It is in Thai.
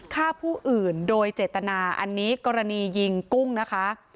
ฆ่าผู้อื่นโดยเจตนาอันนี้กรณียิงกุ้งนะคะ